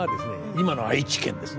今の愛知県ですね